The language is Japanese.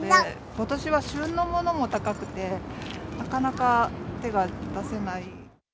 ことしは旬のものも高くて、なかなか手が出せない。